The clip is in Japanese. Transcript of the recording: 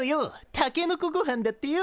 たけのこごはんだってよ。